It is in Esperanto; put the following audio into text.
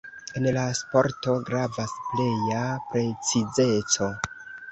En la sporto gravas pleja precizeco.